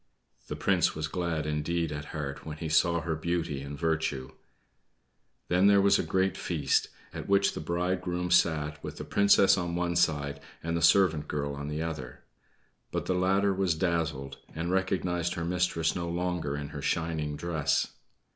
The prince was glad indeed at heart when he saw her beauty and virtue. Then there was a great feast, at which the bridegroom sat, with the Princess on one side and the servant girl on the other. But the latter was dazzled, and recognized her mistress no longer in her shining dress.